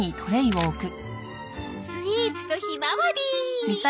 スイーツとひまわり！